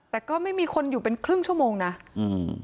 แต่ก็ไม่มีคนอยู่เป็นครึ่งชั่วโมงน่ะอืม